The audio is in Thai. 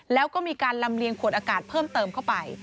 แล้วก็มีการลำเลียงขวดอากาศเพิ่มเติมเข้าไป